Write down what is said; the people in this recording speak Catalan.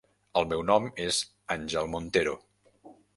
El meu nom és Angel Montero.